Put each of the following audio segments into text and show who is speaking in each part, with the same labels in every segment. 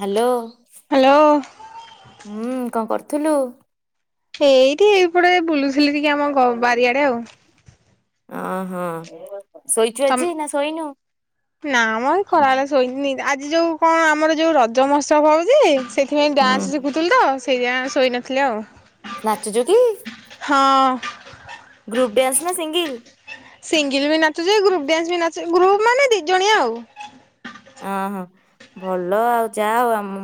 Speaker 1: Hello.
Speaker 2: Hello.
Speaker 1: ଥୁଲୁ।
Speaker 2: ସେଇଠି ଏଇପଟେ ବୁୁଲୁ ଥିଲି ଟିକେ ଆମ ବାରିଆଡେ ଆଉ।
Speaker 1: ହ ହଁ।
Speaker 2: ତମ ନାମ ଖରାବେଳେ ସୋଇନି। ଆଜି ଯୋଉ କଣ ଆମର ଯୋଉ ରଜ ମହୋତ୍ସବ ହଉ ସେଥିପାଇଁ
Speaker 1: ହୁଁ
Speaker 2: ଡ୍ୟାନ୍ସ ଶିଖୁଥିଲୁ ତ ସେଇଥିଆଁ ଶୋଇନଥିଲି ଆଉ।
Speaker 1: ନାଚୁଛ କି?
Speaker 2: ହଁ।
Speaker 1: ଗ୍ରୁପଡାନ୍ସ ନା ସିଙ୍ଗିଲ୍।
Speaker 2: ସିଙ୍ଗଲ ବି ନାଚୁଛି ଗ୍ରୁପ ଡ୍ୟାନ୍ସ ବି ଗ୍ରୁପ ମାନେ ଦି ଜଣିଆ ଆଉ।
Speaker 1: ଅ ହଁ ଭଲ ଆଉ ଯା ହଉ ଆମ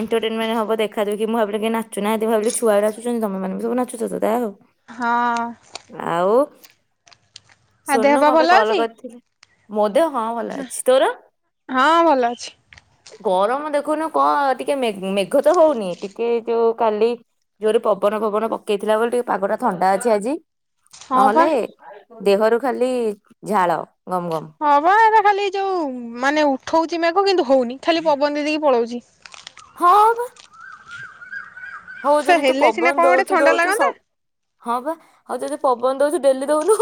Speaker 1: ଏଣ୍ଟରଟେନମେଣ୍ଟ ହବ ଦେଖାଦୁଖି ମୁଁ ଭାବିଲି କେ ନାଚୁନାହାଁନ୍ତି ଭାବିଲି ଛୁଆ ବି ନାଚୁଛନ୍ତି ତମେ ମାନଙ୍କୁ ସବୁ ନାଚୁଛ ତ ଜାହା ହଉ।
Speaker 2: ହଁ। ଆଉ ଦେହ
Speaker 1: ସୋନୁ
Speaker 2: ପା
Speaker 1: କଣ ପାଇଁ
Speaker 2: ଭଲ
Speaker 1: କଲ
Speaker 2: ଅଛି
Speaker 1: କରିଥିଲେ? ମୋଦ
Speaker 2: ହଁ ଭଲ ଅଛି।
Speaker 1: ଗରମ ଦେଖୁନୁ କ ଟିକେ ମେଘ ତ ହଉନି ଟିକେ ଯୋଉ କାଲି ଜୋରେ ପବନ ଫବନ ପକେଇଥିଲା ବୋଲି ଟିକେ ପାଗ ଟା ଥଣ୍ଡା ଅଛି ଆଜି।
Speaker 2: ହଁ ପା
Speaker 1: ନହେଲେ ଦେହରୁ ଖାଲି ଝାଳ। ଗମ ଗମ
Speaker 2: ହଁପା ଏଟା ଖାଲି ଯୋଉ ମାନେ ଉଠଉଛି ମେଘ। ହ କିନ୍ତୁ ହଉନି ଖାଲି ପବନ ଦେଇ ଦେଇକି ପଳଉଛି।
Speaker 1: ହଁ ବା। ହଉ
Speaker 2: ସେ
Speaker 1: ଯଦି ତୁ
Speaker 2: ହେଲେ ସିନା
Speaker 1: ପବନ
Speaker 2: କଣ ଗୋଟେ
Speaker 1: ଦଉଛୁ
Speaker 2: ଥଣ୍ଡା
Speaker 1: ଦଉଛୁ
Speaker 2: ଲାଗନ୍ତା
Speaker 1: ସବୁ ହଁ ବା ଆଉ ଯଦି ପବନ ଦଉଛୁ ଡେଲି ଦଉନୁ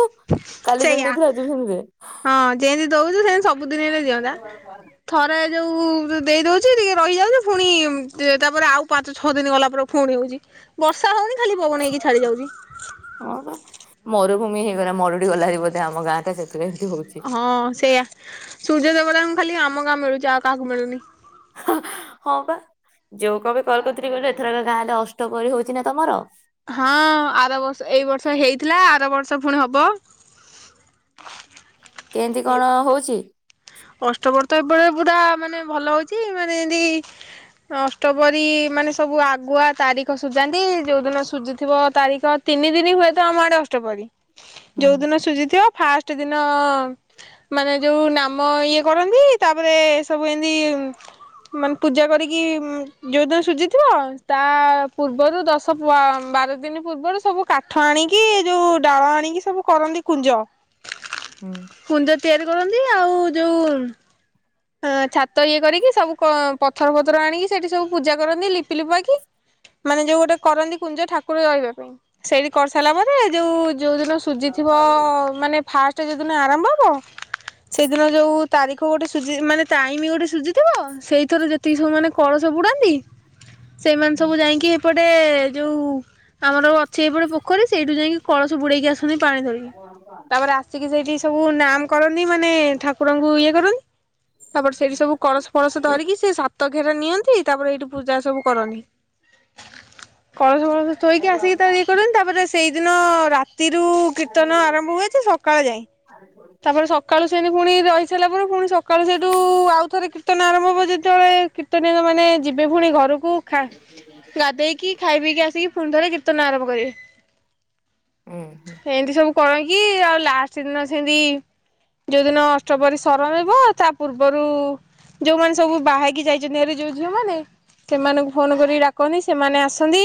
Speaker 1: କାଲି ଯେମିତି
Speaker 2: ସେଇଆ
Speaker 1: ଦେଇଥିଲୁ ଆଜି ବି ସେମିତି ଦେ
Speaker 2: ହଁ ଯେମତି ଦଉଛୁ ସେମତି ସବୁଦିନ ହେଲେ ଦିଅନ୍ତା ଥରେ ଯୋଉ ଦେଇ ଦଉଛି ଟିକେ ରହିଯାଉଛି ପୁଣି ତାପରେ ଆଉ ପାଞ୍ଚ ଛଅ ଦିନ ଗଲା ପରେ ପୁଣି ହଉଛି ବର୍ଷା। ହଉନି ଖାଲି ପବନ ହେଇକି ଛାଡି ଯାଉଛି।
Speaker 1: [inaudible] ହଁ ବା ମରୁଭୂମି ହେ ମରୁଡି ଗଲାଭାରି ବୋଧେ ଆମ ଗାଁ ଟା ସେ
Speaker 2: ହଁ ସେଇୟା ସୂର୍ଯ୍ୟ ଦେବ। ଙ୍କୁ ଖାଲି ଆମ ଗାଁ ମିଳୁଛି ଆଉ କାହାକୁ ମିଳୁନି।
Speaker 1: ହଁ ବା ଯୋଉ କଣ ପେ କଲ କରିଥିଲି କହିଲୁ ଏଥରକ ଗାଁ ରେ ଅଷ୍ଟପ୍ରହରୀ ହଉଛି ନା ତମର।
Speaker 2: ହଁ ଆର ବର୍ଷ ଏଇ ବର୍ଷ ହେଇଥିଲା ଆର ବର୍ଷ ଫୁଣି ହବ।
Speaker 1: କେମିତି କଣ ହଉଛି?
Speaker 2: ଅଷ୍ଟପ୍ରହରୀ ତ ଏବେତ ପୁରା ମାନେ ଭଲ ହଉଛି ମାନେ ଏମତି ଅଷ୍ଟପ୍ରହରୀ ମାନେ ସବୁ ଆଗୁଆ ତାରିଖ ସୁଝାନ୍ତି ଯୋଉଦିନ ସୁଝୁଥିବ ତାରିଖ ତିନି ଦିନ ହୁଏତ ଆମ ଆଡେ ଅଷ୍ଟପ୍ରହରୀ।
Speaker 1: ହୁଁ
Speaker 2: ଯୋଉ ଦିନ ସୁଝିଥିବ। ଫାଷ୍ଟ ଦିନ ମାନେ ଯୋଉ ନାମ ମ ଇଏ କରନ୍ତି ତାପରେ ଏ ସବୁ ଏମତି ମାନେ ପୂଜା କରିକି ଯେଉଁଦିନ ସୁଜିଥିବ ତା ତା ପୂର୍ବରୁ ଦଶ ପୁଅ ବାରଟା ଦିନି ପୂର୍ବରୁ ସବୁ କାଠ ଆଣିକି ଯୋଉ ଡାଳ ଆଣିକି ସବୁ କରନ୍ତି କୁଞ୍ଜ।
Speaker 1: ହୁଁ।
Speaker 2: କୁଞ୍ଜ ତିଆରି କରନ୍ତି। ଆଉ ଯୋଉ ଛାତ ଇଏ କରିକି ସବୁ ପଥର ଫଥର ଆଣିକି ସେଇଠି ସବୁ ପୂଜା କରନ୍ତି ଲିପି ଲୁପାକି କିି ମାନେ ଯୋଉ ଗୋଟେ କରନ୍ତି କୁଞ୍ଜ ଠାକୁର ରହିବା ପାଇଁ ସେଇଠି କରିସାରିଲା ପରେ ଯୋଉ ଯୋଉ ଦିନ ସୁଜିଥିବ ମାନେ ଫାଷ୍ଟ ସେ ଦି ଦିନ ଆରମ୍ଭ ହବ? ସେଇଦିନ ଯୋଉ ତାରିଖ ଗୋଟେ ସୁଯି ମାନେ ଟାଇମ୍ ଗୋଟେ ସୁଝିଥିବ। ସେଇଥର ଯେତିକି ସବୁ ମାନେ କଳସ ବୁଡାନ୍ତି। ସେମାନେ ସବୁ ଯାଇକି ଏପଟେ ଯୋଉ ଆମର ଅଛି ଏପଟେ ପୋଖରୀ ସେଇଠୁ ଯାଇକି କଳସ ବୁଡେଇକି ଆସ୍ ପାଣି ଧରିକି ତାପରେ ଆସି କି ସେଇଠି ସବୁ ନାମ୍ କରନ୍ତିି। ମାନେ ଠାକୁରଙ୍କୁ ଇଏ କରନ୍ତି। ତାପରେ ସେଇଠି ସବୁ କଳସ ଫଳସ ଧରିକି ସେ ସାତ ଘେରା ନିଅନ୍ତି। ତାପରେ ଏଇଠି ପୂଜା ସବୁ କରନି କଳସ ଫଳସ ଥୋଇକି ଆସିକି ତ ଇଏ କରନ୍ତି। ତାପରେ ସେ ସେଇଦିନ ଅ ରାତ୍ ତିରୁ କୀର୍ତ୍ତନ ଆରମ୍ଭ ହୁଏ ଯେ ସକାଳ ଯାଏ। ତା ପରେ ସକାଳୁ ଶୁ ସେବ ପୁଣି ରହି ସାରିଲା ପରେ ପୁଣି ସକାଳୁ ସେଇଠୁ ଉ-ଉ ଆଉଥରେ କୀର୍ତ୍ତନ ଆରମ୍ଭ ହେବ ଯେତେବେଳେ କୀର୍ତ୍ତନୀ ମାନେ ଯିବେ ପୁଣି ଘରୁ କୁ ଖା ଗାଧେଇକି ଖାଇ ପିକି ଆସିକି ପୁଣି ଥରେ କି ର୍ତ୍ତନ ଆରମ୍ଭ କରିବେ।
Speaker 1: ହୁଁ
Speaker 2: କଣ କି ଆଉ ଲାଷ୍ଟ ଦିନ ଜେନ୍ତି ଯୋଉ ଦିନ ଅଷ୍ଟପ୍ରରି ସରମିଵ ତା ପୂର୍ବରୁ ଯୋଉମାନେ ସବୁ ବାହାହେଇକି ଯାଇଛନ୍ତି ହାରି ଯୋଉ ଝିଅମାନେ ସେମାନଙ୍କୁ ଫୋନ କରି ଡାକନ୍ତି। ସେମାନେ ଆସନ୍ତି।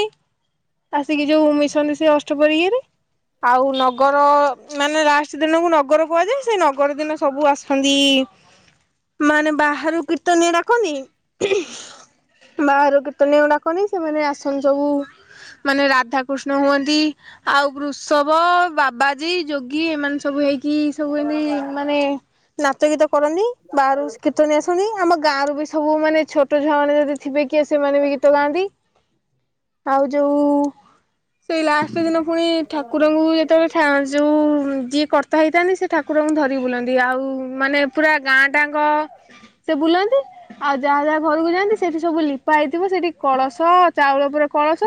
Speaker 2: ଆସିକି ଯୋଉ ମିଶନ୍ତି ସେ ଅଷ୍ଟପ୍ରହରୀ ଇରେ ଆଉ ନଗର ମାନେ ଲାଷ୍ଟ ଦିନକୁ ନ ନଗର କୁହାଯାଏ ସେ ନଗର ଦିନ ସବୁ ଆସନ୍ତି। ମାନେ ବାହାରୁ କୀର୍ତ୍ତନୀଆ ଡାକନ୍ତି। ବାହାରୁ କୀର୍ତ୍ତନ ଡାକନ୍ତି ସେମାନେ ଆସନ୍ତି ସବୁ ମାନେ ରାଧାକୃଷ୍ଣ ହୁଅନ୍ତି, ଆଉ ବୃଷଵ, ବାବାଜୀ, ଯୋଗୀ ଏମାନେ ସବୁ କି ସବୁ ଏନ୍ତି ମାନେ ନାଚ ଗୀତ କରନ୍ତି ବାହାରୁ କୀର୍ତ୍ତନୀ ଆସନ୍ତି ଆମ ଗାଁରୁ ବି ସବୁ ମାନେ ଛୋଟ ଝାଉନି ଯଦି ଥିବେ କିଏ ସେମାନେ ବି ଗୀତ ଗାଆନ୍ତି। ଆଉ ଯୋଉ ଉ ସେଇ ଲା ସେଦିନ ପୁଣି ଠାକୁରଙ୍କୁ ଯେତେବେଳେ ଠା ଯେଉଁ ଯିଏ କର୍ ତ ହେଇଥାନ୍ତି ସେ ଠାକୁରଙ୍କୁ ଧରିକି ବୁଲନ୍ତି। ଆଉ ଉ ମାନେ ପୁରା ଗାଁ ଟାଙ୍କ ସେ ବୁଲନ୍ତି। ଆଉ ଯା ଯା ଘରକୁ ଯାଆନ୍ତି ସେଠି ସବୁ ଲିପା ହେଇଥିବ। ସେଠି କଳସ, ଚାଉଳ ଉପରେ କଳସ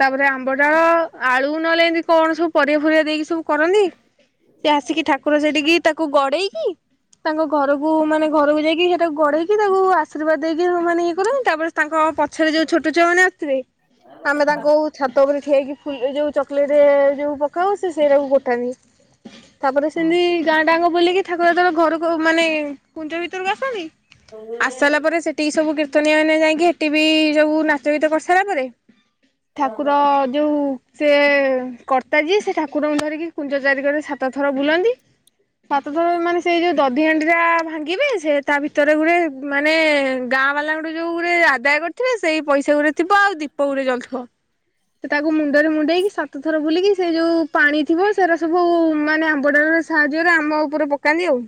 Speaker 2: ତାପରେ ଆମ୍ବଡାଳ ଆଳୁ ନଲେ ଏମିତି କଣ ସବୁ ପରିବା ଫରିଵା ଦେଇକି ତୁ କରନି। ଟିକେ ଠାକୁର ସେଠିକି ତାକୁ ଗଡେଇକି ତାଙ୍କ ଘରକୁ ମାନେ ଘରକୁ ଯାଇକି ତାକୁ ଗଢେଇକି ତାକୁ ଆଶୀର୍ବାଦ ଦେଇକି ମାନେ ଇଏ କରନ୍ତି। ତାପରେ ତାଙ୍କ ପଛରେ ଯୋଉ ଛୋଟ ଛୁଆ ମାନେ ତ୍ରି ଆମେ ତାଙ୍କୁ ଛାତ ଉପରେ ଠିଆ ହେଇକି ଫୁଲେ ଏ ଯୋଉ ଚକଲେଟରେ ଏ ଯୋଉ ପକା ହୁଏ। ସେ ସେଇଟାକୁ ଗୋଟାନ୍ତି ତାପରେ ସେମିତି ଗାଁ ଟାଙ୍ଗ ବୋଲିକି ଠାକୁର ଯେତେବେଳେ ଘରକୁ ମାନେ କୁଞ୍ଜ ଭିତରକୁ ଆସନ୍ତି। ଆସି ସାରିଲା ପରେ ସେଠିକି ସବୁ କୀର୍ତ୍ତନ ମନେ ଯାଇକି ହେଟିବି ସବୁ ନାଚ ଗୀତ କରିସାରିଲା ପରେ ଠାକୁର ଯୋଉ ସିଏ କର୍ତ୍ତା ଜିଏ ସେ ଠାକୁରଙ୍କୁ ଧରିକି କୁଞ୍ଜ ଚାରି କରେ ସା ତଥର ବୁଲନ୍ତି। [inaudible] ସାତ ଥର ମାନେ ସେଇ ଯୋଉ ଦଧି ହଣ୍ଡି ଟା ଭାଙ୍ଗିବେ। ସେ ତା ଭିତରେ ଗୁରେ ମାନେ ଗାଁ ବାଲାଙ୍କଠୁ ଯୋଉ ଗୁରେ ଆଦାୟ କରିଥିବେ ସେଇ ପଇସା ଗୁରେ ଥିବ। ଆଉ ଦୀପ ଗୋଟେ ଜଳୁଥିବ। ତ ତାକୁ ମୁଣ୍ଡରେ ମୁଣ୍ଡେଇକି ସାତ ଥର ବୁଲିକି ସେ ଯୋଉ ପାଣି ଥିବ। ସେରା ସବୁ ଆ ମାନେ ଆମ୍ବଡାଳରେ ସାହାଯ୍ୟରେ ଆମ ଉପରେ ପକାନ୍ତି ଆଉ।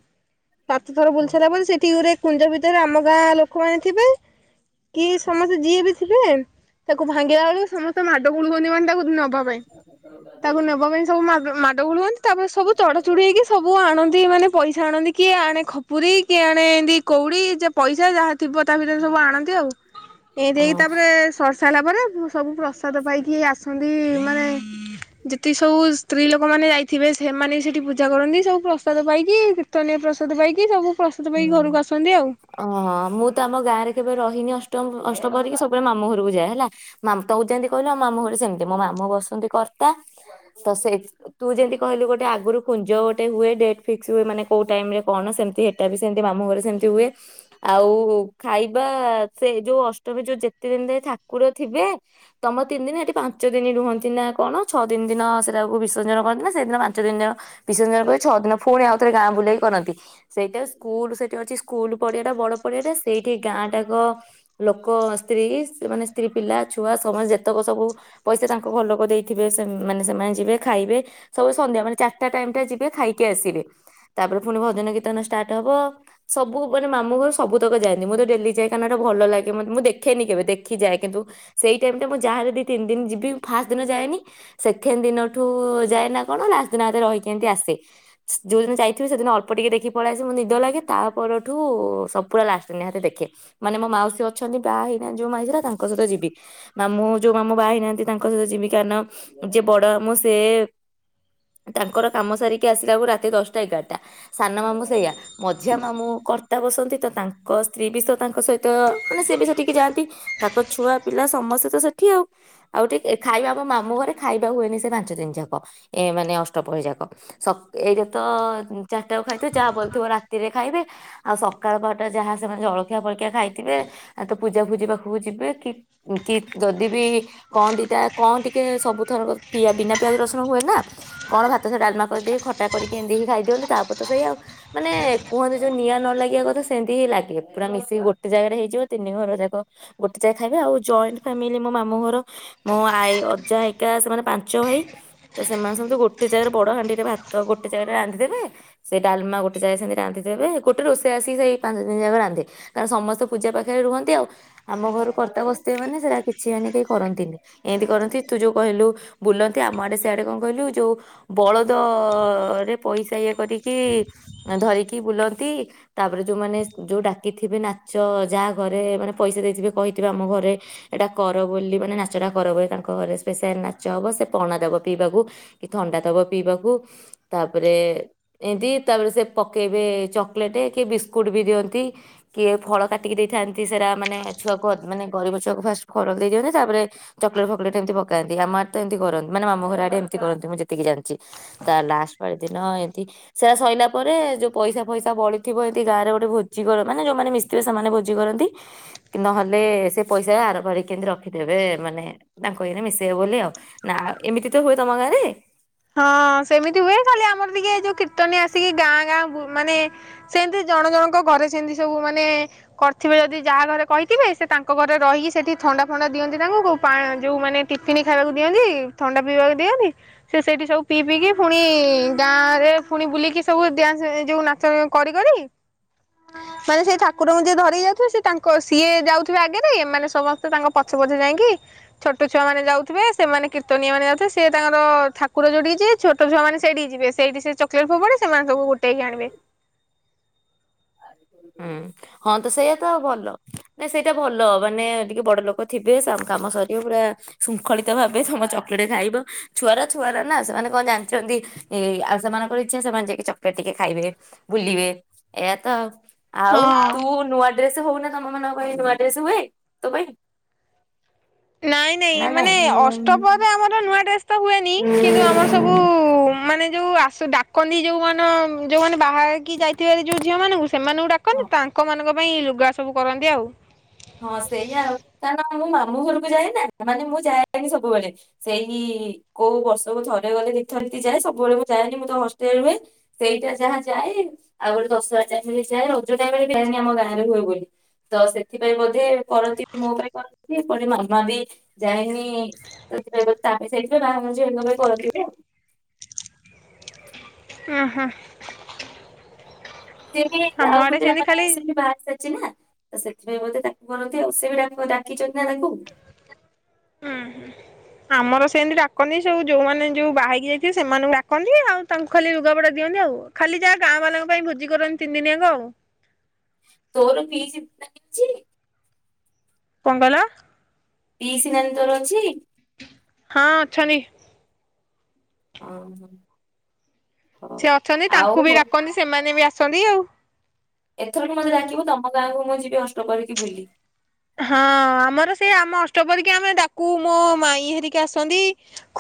Speaker 2: ସାତ ଥର
Speaker 1: ହୁଁ
Speaker 2: ବୁଲିସରିଲା ପରେ ସେଠି ଗୁରେ କୁଞ୍ଜ ଭିତରେ ଆମ ଗାଁ ଲୋକମାନେ ଥିବେ। କି ସମସ୍ତେ ଯିଏ ବି ଥିବେ ତାକୁ ଭାଙ୍ଗିଲା ବେଳକୁ ସମସ୍ତେ ମାଡ ଗୋଳ ହୁଅନ୍ତି ମାନେ। ତାକୁ ନବା ପାଇଁ ତାକୁ ନେବା ପାଇଁ ସବୁ ମାଡ ମାଡ ଗୋଳ ହୁଅନ୍ତି। ତାପରେ ସବୁ ଚଢା ଚୁଢି ହେଇକି ସବୁ ଆଣନ୍ତି। ମାନେ ପଇସା ଆଣନ୍ତି। କିଏ ଆଣେ ଖପୁରୀ କିଏ ଆଣେ ମାନେ ଏମତି କଉଡି ଯେ ପଇ ଯାହା ଥିବ ତା ଭିତରେ ସବୁ ଆଣ ଆଉ ଏମିତି ହେଇକି
Speaker 1: ହଁ
Speaker 2: ତାପରେ ସ ସାରିଲା ପରେ ସବୁ ପ୍ରସାଦ ପାଇକି ଆସନ୍ତି। ମାନେ ଯେତିକି ସବୁ ସ୍ତ୍ରୀ ଲୋକମାନେ ଯାଇ ଥିବେ ସେମାନେ ସେଇଠି ପୂଜା କରନ୍ତି। ସବୁ ପ୍ରସାଦ ପାଇକି କୀର୍ତ୍ତନୟ ପ୍ରସାଦ ପାଇକି ସବୁ ପ୍ରସାଦ ପାଇକି ଘରକୁ ଆସନ୍ତି ଆଉ।
Speaker 1: ହୁଁ ଓ ମୁଁ ତ ଆମ ଗାଁରେ କେବେ ରହିନି ଅ ନଷ୍ଟ କରିକି ଅଷ୍ଟପହରି ସବୁବେଳେ ମାମୁ ଘରକୁ ଯାଏ ହେଲା। ମାମୁଁ ତମ ଯେମିତି କହିଲୁ ଆ ମାମୁଁ ଘରେ ସେମିତି। ମୋ ମାମୁଁ ବସନ୍ତି କର୍ତ୍ତା ତ ତୁ ଯେମିତି କହିଲୁ ଗୋଟେ ଆଗରୁ କୁଞ୍ଜ ଗୋଟେ ହୁଏ। ଡେଟ୍ ଫିକ୍ସ ହୁଏ ମାନେ କୋଉ ଟାଇମ ରେ କଣ ସେମ ସେଟା ବି ସେମତି ମାମୁଁ ଘରେ ସେମିତି ହୁଏ ଆଉ ଖାଇବା ସେ ଯୋଉ ଅଷ୍ଟମୀ ଯୋଉ ଯେତେ ଦିନରେ ଠାକୁର ଥିବେ ତମ ତିନି ଦିନ ସେଠି ପାଞ୍ଚ ଦିନ ରୁହନ୍ତି ନା କଣ। ଛଅ ଦିନ ଦିନ ସେଟାକୁ ବିସର୍ଜନ କରନ୍ତି। ସେଇଦିନ ପାଞ୍ଚ ଦିନ ଦିନ ବିସର୍ଜନ କରି ଛଅ ଦିନ ପୁଣି ଆଉ ଥରେ ଗାଁ ବୁଲେଇକି କରନ୍ତି। ସେଇଟା ସ୍କୁଲ ସେଠି ଅଛି ସ୍କୁଲ ପଡିଆ ଟା। ବଡ ପଡିଆଟା ସେଇଠି ଗାଁ ଟାକ ଲୋକ ସ୍ତ୍ରୀ ସେ ମାନେ ସ୍ତ୍ରୀ ପିଲା ଛୁଆ ସମସ୍ତେ ଯେତେକ ସବୁ ପଇସା ତାଙ୍କ ଘରଲୋକ ଦେଇଥିବେ। ମାନେ ସେମାନେ ଯିବେ ଖାଇବେ ସବୁ ସନ୍ଧ୍ୟା ମାନେ ଚାରିଟା ଟାଇମ ଟା ଯିବେ ଖାଇକି ଆସିବେ। ତାପରେ ପୁଣି ଭଜନ କୀର୍ତନ ଷ୍ଟାର୍ଟ ହବ ସବୁ ମାନେ ମାମୁ ଘର ସବୁତକ ଯାନ୍ତି। ମୁଁ ତ ଡେଲି ଯାଏ। କାଇ ଏଟା ଭଲ ଲାଗେ ମତେ। ମୁଁ ଦେଖେନି କେବେ ଦେଖି ଯାଏ। କିନ୍ତୁ ସେଇ ଟାଇମରେ ମୁଁ ଯା ଦି ତିନି ଦିନ ଯିବି ମୁ ଫାଷ୍ଟ ଦିନ ଯାଏନି। ସେକେଣ୍ଡ ଦିନଠୁ ଯାଏ ନା। କଣ ଲାଷ୍ଟ ଦିନରେ ରହିକି ଏମିତି ଆସେ ଯୋଉ ଦିନ ଯାଇଥିବି। ସେଦିନ ଅଳ୍ପ ଟିକେ ଦେଖି ପଳ ନିଦ ଲାଗେ ତା ପରଠୁ ସବ ପୁରା ଲାଷ୍ଟ ନିହାତି ଦେଖେ। ମାନେ ମୋ ମାଉସୀ ଅଛନ୍ତି ବାହା ହେଇନାହାନ୍ତି। ଯୋଉ ମାଉସି ଉରା ହେଇଥିଲା ତାଙ୍କ ସହିତ ଯିବି। ମାମୁଁ ଯୋଉ ମାମୁଁ ବାହା ହେଇନାହାନ୍ତି ତାଙ୍କ ସହିତ ଯିବି। କାରଣ ଯିଏ ବଡ ମାମୁଁ ସେ [inaudible] ତାଙ୍କର କାମ ସାରିକି ଆସିଲା ବେଳକୁ ରାତି ଦଶଟା ଏଗାରଟା ସାନ ମାମୁଁ ସେଇଆ। ମଝିଆ ମାମୁଁ କର୍ତ୍ତା ବସନ୍ତି। ତ ତାଙ୍କ ସ୍ତ୍ରୀ ବି ତ ତାଙ୍କ ସହିତ ମାନେ ସିଏବି ସେଠିକି ଯାଆନ୍ତି। ତାଙ୍କ ଛୁଆ ପିଲା ସମସ୍ତେ ତ ସେଠି ଆଉ। ଆଉ ଟିକେ ଖାଇବା ଆମ ମାମୁଁ ଘରେ ଖାଇବା ହୁଏନି। ସେ ପାଞ୍ଚ ଦିନି ଯାକ ଏ ମାନେ ଅଷ୍ଟପହରିଯାକ। ଏକେତ ଚାରିଟା ଖାଇଥିବେ ଯାହା ବ ଥିବ ରାତିରେ ଖାଇବେ। ଆଉ ସକାଳ ପାଟା ଯାହା ସେମାନେ ଜଳଖିଆ ଫଳଖିଆ ଖାଇଥିବେ। ତ ପୂଜା ଫୁଜି ପାଖକୁ ଯିବେ କି କି ଯଦି ବିି କଣ ଦିଟା କଣ ଟିକେ ସବୁଥର ପିଆ ବିନା ପିଆଜ ରସଣ ହୁଏ ନା। କଣ ଭାତ ସେ ଡାଲମା କରିଦକି ଖଟା କରିକି ଏତିକି ଖାଇଦିଅନ୍ତି। ତାପରେ ତ ସେଇ ଆଉ। ମାନେ କୁହନ୍ତି ଯୋଉ ନିଆଁ ନ ଲାଗିବା କଥା ସେମିତି ହି ଲାଗେ। ପୁରା ମିଶିକି ଗୋଟେ ଜାଗାରେ ହେଇଯିବ ତିନି ଘର ଯାକ ଗୋଟେ ଜାଗା ଖାଇବେ। ଆଉ ଜଏଣ୍ଟ ଫାମିଲି ମୋ ମାମଁ ଘର ମୋ ଆଈ ଅଜା ଏକା ସେମାନେ ପାଞ୍ଚ ଭାଇ ତ ସେମାନେ ସବୁ ଗୋଟେ ଜାଗାରେ ବଡ ହାଣ୍ଡିରେ ଭାତ ଗୋଟେ ଜାଗାରେ ରାନ୍ଧିଦେବେ। ସେ ଡାଲମା ଗୋଟେ ଗୋଟେ ଯାଇ ସେମି ରାନ୍ଧି ଦେବେ ଗୋଟେ ରୋଷେଇ ଆସିିକ ସେଇ ପାଞ୍ଚ ଦିନ ଯାକ ରାନ୍ଧେ। କାରଣ ସମସ୍ତେ ପୂଜା ପାଖରେ ରୁହନ୍ତି ଆଉ। ଆମ ଘରୁ କର୍ତ୍ତା ବସଥିବେ। ମାନେ ସେଇଟା କିଛି ମାନେ କେହି କରନ୍ତିନି ଏମିତି କରନ୍ତି ତୁ ଯୋଉ କହିଲୁ ବୁଲନ୍ତି। ଆମ ଆଡେ ସେଆଡେ କଣ କହିଲୁ। ଯୋଉ ବଳଦରେ ପଇସା ଇଏ କରିକି ଧରିକି ବୁଲନ୍ତି ତାପରେ ଯୋଉମାନେ ଯଉ ଡାକିଥିବେ। ନାଚ ଯାହା ଘରେ ମାନେ ପଇସା ଦେଇଥିବେ। କହିଥିବେ ଆମ ଘରେ ଏଟା କର ବୋଲି ମାନେ ନାଚଟା କର ବୋଲି। ତାଙ୍କ ଘରେ ସ୍ପେଶାଲ ନାଚ ହବ। ସେ ପଣା ଦବ ପିଇବାକୁ କି ଥଣ୍ଡା ଦବ ପିଇବାକୁ ତାପରେ ଏମିତି ତାପରେ ସେ ପକେଇବେ ଚକୋଲେଟ କିଏ ବିସ୍କୁଟ ବି ଦିଅନ୍ତି କିଏ ଫଳ କାଟିକି ଦେଇଥାନ୍ତି। ଏ ସାରା ମାନେ ଛୁଆ କୁ ମାନେ ଗରିବ ଛୁଆକୁ ଫାଷ୍ଟ୍ ଖରକେଇଦିଅନ୍ତି ତାପରେ ଚକ୍ଲେଟ୍ ଫକ୍ଲେଟ୍ ହେଇଥିବ। ଆମ ଆଡେତ ଏମତି କରନ୍ତି। ମାନେ ମାମୁଁ ଘର ଆଡେ ଏମତି କରନ୍ତି ମୁଁ ଯେତିକି ଜାଣିଛି। ତା ଲାଷ୍ଟ ପାଳି ଦିନ ଏମିତି ସେରା ସଇଲା ପରେ ଯୋଉ ପଇସା ଫଇସା ବଳିଥିବ। ଏମିତି ଗାଁ ରେ ଗୋଟେ ଭୋଜି କର ମାନେ ଯୋଉମାନେ ମିଶିଥିବେ ସେମାନେ ଭୋଜି କରନ୍ତି ନହେଲେ ସେ ପଇସା ଆର ଥରିକି କେମିତି ରଖିଥବେ ମାନେ ତାଙ୍କ ଏଇରେ ମିଶେଇବେ ବୋଲି ଆଉ। ନା ଏମିତି ତ ହୁଏ ତମ ଗାଁରେ।
Speaker 2: ହଁ ସେମିତି ହୁଏ ଖାଲି ଆମର ଟିକେ ଯୋଉ କୀର୍ତନୀଆ ଆ ଆସିକି ଗାଁ ଗାଁ ଗୁ ମାନେ ସେନ୍ତି ଜଣ ଜଣଙ୍କ ଘରେ ସେମିତି ସବୁ ମାନେ କରିଥିବେ ଯଦି ଯାହା ଘରେ କହିଥିବେ ସେ ତାଙ୍କ ଘରେ ରହିକି ସେଠି ଥଣ୍ଡା ଫଣ୍ଡା ଦିଅନ୍ତି ତାଙ୍କୁ କୋଉ ଯୋଉ ମାନେ ଟିଫିନ ଖାଇବାକୁ ଦିଅନ୍ତି ଥଣ୍ଡା ପିଇବାକୁ ଦିଅନ୍ତି। ସେ ସେଇଠି ସବୁ ପିଇ ପିଇକି ପୁଣି ଗାଁରେ ପୁଣି ବୁଲିକି ସବୁ ଡ୍ୟାନ୍ସ ଯୋଉ ନାଚ କରି କରି ମାନେ ସେଇ ଠାକୁରଙ୍କୁ ଯିଏ ଧରିକି ଯାଉଥିବେ ସେ ତାଙ୍କ ସିଏ ଯାଉଥିବେ ଆଗରେ ଏମାନେ ସମସ୍ତେ ତାଙ୍କ ପଛେ ପଛେ ଯାଇକି ଛୋଟ ଛୁଆ ମାନେ ଯାଉଥିବେ ସେମାନେ କୀର୍ତ୍ତନି ମାନେ ଯାଉଥିବେ ସେ ତାଙ୍କର ଠାକୁର ଯୋଉଠିକି ଯିଏ ଛୋଟ ଛୁଆମାନେ ସେଇଠିକି ଯିବେ ସେଇଠିକି ଯିବେ ସେଇଠି ସେ ଚକ୍ଲେଟ୍ ଫୋବାଡେ ସେମାନେ ସବୁ ଗୋଟେଇକି ଆଣିବେ।
Speaker 1: ହୁଁ ହଁ ତ ସେଇଆ ତ ଭଲ ନା ସେଇଟା ଭଲ ମାନେ ଟିକେ ବଡ ଲୋକ ଥିବେ କାମ ସରିବ ପୁରା ଶୃଙ୍ଖଳିତ ଭାବେ ତମ ଚକୋଲେଟ ଖାଇବ ଛୁଆର ଛୁଆର ନା ସେମାନେ କଣ ଜାଣିଛନ୍ତି ଏ ଆଉ ସେମାନଙ୍କର ଇଚ୍ଛା ସେମାନେ ଯାଇକି ଚକଲେଟ ଟିକେ ଖାଇବେ ବୁଲିବେ ଏଇଆ ତ ଆଉ। ଆଉ
Speaker 2: ହଁ।
Speaker 1: ତୁ ନୂଆ ଡ୍ରେସ୍ ହଉ ତମ ମାନଙ୍କ ପାଇଁ ନୁଆ ଡ୍ରେସ୍ ହୁଏ। ତୋ ପାଇଁ?
Speaker 2: ନାଇଁ ନାଇଁ ମାନେ ଅଷ୍ଟପହରି ରେ ଆମର ନୂଆ ଡେସ୍ ତ ହୁଏ କିନ୍ତୁ ଆମର ସବୁ ମାନେ ଯୋଉ ଆସୁ ଡାକନ୍ତି ଯୋଉ ମାନ ଯୋଉମାନେ ବାହାରକି ଯାଇଥିବ ଯୋଉ ଝିଅ ମାନଙ୍କୁ ସେମାନଙ୍କୁ
Speaker 1: ହଁ
Speaker 2: ଡାକନ୍ତି ତାଙ୍କ ମାନଙ୍କ ପାଇଁ ଲୁଗା ସବୁ କରନ୍ତି ଆଉ
Speaker 1: ହଁ ସେଇଆା ଆଉ କାରଣ ମୁଁ ଆ ମୁ ଘରକୁ ଯାଏ ନା। ମାନେ ମୁଁ ଯାଏନି ସବୁବେଳେ ସେଇ କୋଉ ବର୍ଷକୁ ଥରେ ଗଲେ ଦି ଥର ଯାଏ। ସବୁବେଳେ ମୁଁ ଯାଏନି ମୁଁ ତ ହଷ୍ଟେଲରେ ହୁଏ ସେଇଟା ଯାହା ଯାଏ ଆଉ ଗୋଟେ ଦଶହରା ଚାରି ଯାଏ ରଜ ଟାଳେ ଯାଏନି ଆମ ଗାଁ ରେ ହୁଏ ବୋଲି ତ ସେ ଥିପାଇଁ ବୋଧେ କରନ୍ତି ମୋ ପାଇଁ କରନ୍ତି। ପୁଣି ମାମା ବି ଯାଇନି ସେଥିପାଇ ତା ବି ଯାଇଥିବେ [unintelligible] ଆଉ।
Speaker 2: ଉ ହୁଁ।
Speaker 1: ସିଏବି
Speaker 2: ଆମ
Speaker 1: ଆଉ
Speaker 2: ଆଡେ
Speaker 1: ଗୋଟେ
Speaker 2: ସେମିତି
Speaker 1: ମାନେ ଆ
Speaker 2: ଖାଲି
Speaker 1: ବି ବାହା ହେଇସାରିଛି ନା ତ ସେଥିପାଇଁ ବୋଧେ ତାକୁ କରନ୍ତି ଆଉ ସେ ବି ଡାକିଚନ୍ତି ନା ତାଙ୍କୁ
Speaker 2: ଆମର ସେମିତି ଡାକନ୍ତି ସବୁ ଯୋଉମାନେ ଯୋଉ ବାହା ହେଇକି ଯାଇଥିବେ ସେମାନଙ୍କୁ ଡାକନ୍ତି ଆଉ ତାଙ୍କୁ ଖାଲି ଲୁଗାପଟା ଦିଅନ୍ତି ଆଉ ଖାଲି ଯାହା ଗାଁ ବାଲାଙ୍କ ପାଇଁ ଭୋଜି କରନ୍ତି ତିନି ଦିନିଆଙ୍କ ଆଉ।
Speaker 1: ତୋର ଫିଜ୍ କିଛି?
Speaker 2: କଣ କହିଲ?
Speaker 1: ପିସ୍ ନାନୀ ତୋର ଅଛି?
Speaker 2: ହଁ ଅଛନ୍ତି।
Speaker 1: ଓ ହୋ।
Speaker 2: ସେ ଅଛନ୍ତି ତାଙ୍କୁ ବି ଡାକନ୍ତି ସେମାନେ ବି ଆ ସନ୍ଦି ଆଉ।
Speaker 1: ଏଥରକ ମତେ ଡାକିବୁ ତମ ଗାଁକୁ ମୁଁ ଯିବି ଅଷ୍ଟପହରିକି ବୁଲି।
Speaker 2: ହଁ ଆମର ସେ ଆମ ଅଷ୍ଟପହରିକି ଆମେ ଡାକୁ ମୋ ମାଇଁ ହେରିକା ଆସନ୍ତି।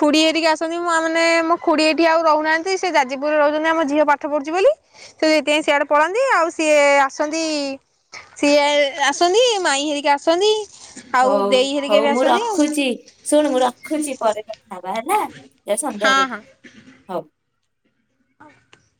Speaker 2: ଖୁଡି ହେରିକା ଆସନ୍ତି ମୁଁ ମାନେ ମୋ ଖୁଡି ଏଠି ଆଉ ରହୁନାହାନ୍ତି ସେ ଯାଜପୁରରେ ରହୁଛନ୍ତି ଆମ ଝିଅ ପାଠ ପଢୁଛି ବୋଲି ସେ ସେଥିପାଇଁ ସିଆଡେ ପଳାନ୍ତି ଆଉ ସିଏ ଆସନ୍ତି ସିଏ ଆସନ୍ତି ମାଇ ହେ କେ ଆସନି
Speaker 1: ହୋଉ ହୋଉ ମୁଁ ରଖୁଛି ଶୁଣୁ ମୁଁ ରଖୁଛି ପରେ କଥା ହବା ହେଲା ଯାଉ ସନ୍ଧ୍ୟା
Speaker 2: ହଁ
Speaker 1: ଦେବି
Speaker 2: ହଁ।
Speaker 1: ହୋଉ।